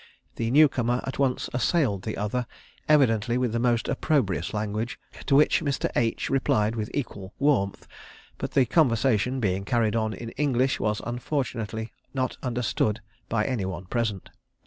The new comer at once assailed the other evidently with the most opprobrious language, to which Mr. H. replied with equal warmth, but the conversation being carried on in English, was unfortunately not understood by any one present.